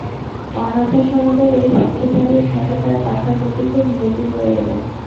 অনাথাসদনের এই সেক্রেটারির ভয়ে তার পাখার গতি খুব মৃদু হয়ে এল।